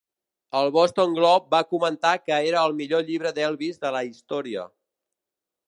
El "Boston Globe" va comentar que era "el millor llibre d'Elvis de la història.